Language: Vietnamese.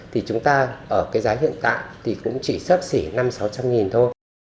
thì chúng ta ở cái giá hiện tại thì cũng chỉ sắp xỉ năm sáu trăm linh nghìn thôi